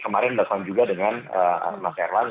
kemarin bas bas juga dengan mas erwan